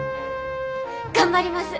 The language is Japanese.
頑張ります。